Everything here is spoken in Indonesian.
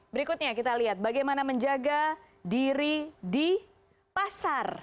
berikutnya kita lihat bagaimana menjaga diri di pasar